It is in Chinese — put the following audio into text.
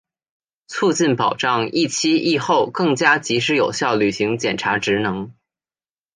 促进、保障疫期、疫后更加及时有效履行检察职能